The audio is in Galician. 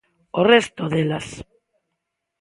O resto delas.